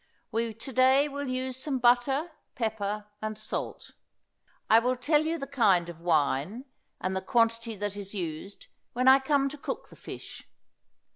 We to day will use some butter, pepper and salt. I will tell you the kind of wine, and the quantity that is used, when I come to cook the fish.